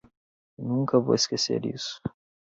Nunca vou esquecer isso.